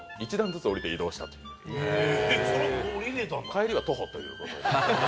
帰りは徒歩ということで。